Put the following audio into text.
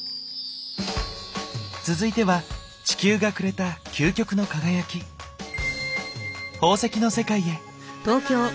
続いては地球がくれた究極の輝き「宝石」の世界へ。